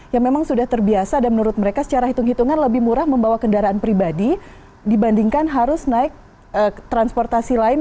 yang memang sudah terbiasa dan menurut mereka secara hitung hitungan lebih murah membawa kendaraan pribadi dibandingkan harus naik transportasi lain